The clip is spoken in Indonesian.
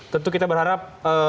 tentu kita berharap